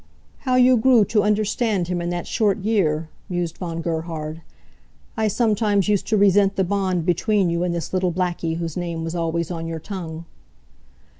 "How you grew to understand him in that short year," mused Von Gerhard. "I sometimes used to resent the bond between you and this little Blackie whose name was always on your tongue."